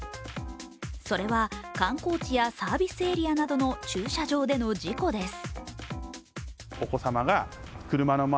それは観光地やサービスエリアなどの駐車場での事故です。